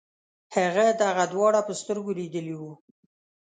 هغه دغه دواړه په سترګو لیدلي وو.